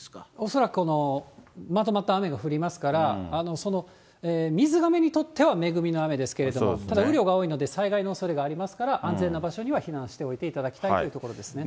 恐らくこのまとまった雨が降りますから、その水がめにとっては恵みの雨ですけれども、ただ雨量が多いので災害のおそれがありますから、安全な場所には避難しておいていただきたいというところですね。